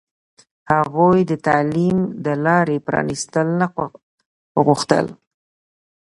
هغوی د تعلیم د لارې پرانستل نه غوښتل.